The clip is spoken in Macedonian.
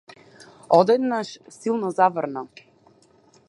Одеднаш силно заврна.